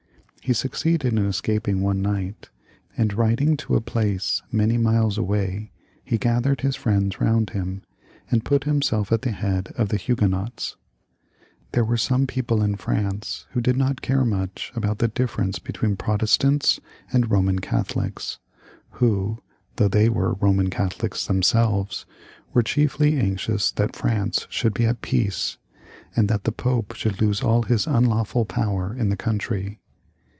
He succeeded in escaping one night, and riding to a place many miles away, he gathered his friends round him, and put himself at the head of the Huguenots. There were some people in France who did not care 286 HENRY III. [CH. much about the difiference between Protestants and Boman Catholics, who, though they w,ere Eoman Catholics them selves, were chiefly anxious that France should be at peace, and that the Pope should lose all his unlawful power in the country.